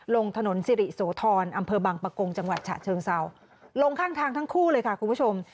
ลงถนนสิริโสธรอำเภอบังปะกงจังหวัดฉะเชิงเศร้าลงข้างทางทั้งคู่เลยค่ะคุณผู้ชม